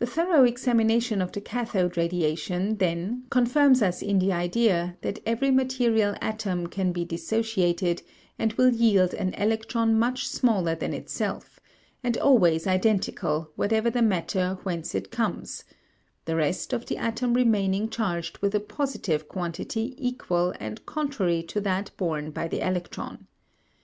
The thorough examination of the cathode radiation, then, confirms us in the idea that every material atom can be dissociated and will yield an electron much smaller than itself and always identical whatever the matter whence it comes, the rest of the atom remaining charged with a positive quantity equal and contrary to that borne by the electron.